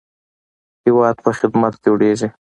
هیواد په خدمت جوړیږي